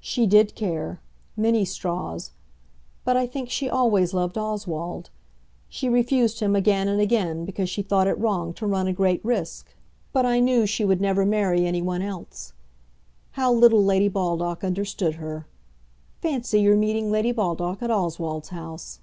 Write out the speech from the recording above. "She did care, many straws. But I think she always loved Oswald. She refused him again and again, because she thought it wrong to run a great risk, but I knew she would never marry any one else. How little Lady Baldock understood her. Fancy your meeting Lady Baldock at Oswald's house!"